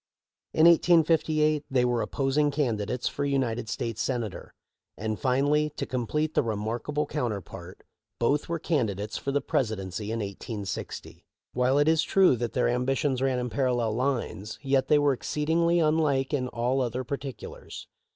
In 1858 they were opposing candidates for United States Senator; and finally, to complete the remarkable counterpart, both were candidates for the Presidency in 1860. While it is true that their ambitions ran in parallel lines, yet they were exceedingly unlike in all other particulars.